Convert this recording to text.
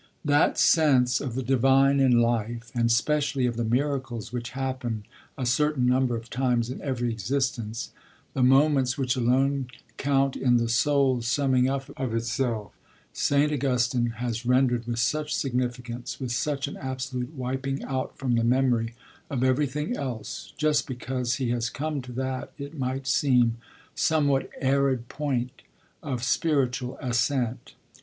That sense of the divine in life, and specially of the miracles which happen a certain number of times in every existence, the moments which alone count in the soul's summing up of itself, St. Augustine has rendered with such significance, with such an absolute wiping out from the memory of everything else, just because he has come to that, it might seem, somewhat arid point of spiritual ascent.